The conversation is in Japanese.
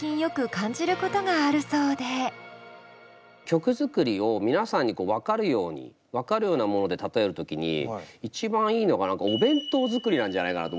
曲作りを皆さんに分かるように分かるようなもので例える時に一番いいのが何かお弁当作りなんじゃないかなと思ってて。